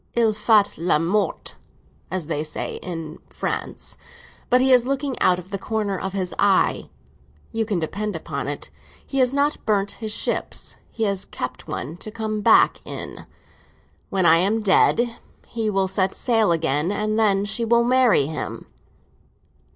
Il fait le mort, as they say in France; but he is looking out of the corner of his eye. You can depend upon it he has not burned his ships; he has kept one to come back in. When I am dead, he will set sail again, and then she will marry him."